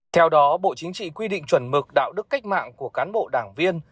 theo đó bộ chính trị quy định chuẩn mực đạo đức cách mạng của cán bộ đảng viên